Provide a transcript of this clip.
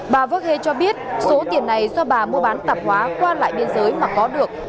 bà vơc hê cho biết số tiền này do bà mua bán tạp hóa qua lại biên giới mà có được